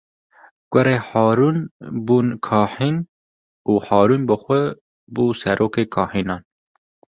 Kurên Harûn bûn kahîn û Harûn bi xwe bû serokê kahînan.